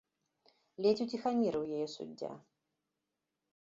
Ледзь уціхамірыў яе суддзя.